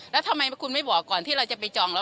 แล้วทำไมคุณไม่บอกก่อนที่เราจะไปจองแล้ว